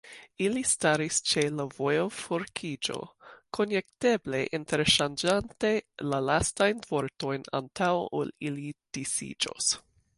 Ili staris ĉe la vojoforkiĝo, konjekteble interŝanĝante la lastajn vortojn, antaŭ ol ili disiĝos.